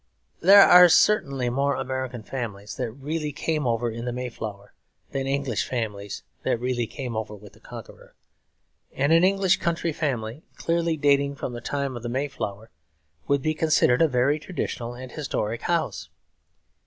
There are certainly more American families that really came over in the Mayflower than English families that really came over with the Conqueror; and an English county family clearly dating from the time of the Mayflower would be considered a very traditional and historic house.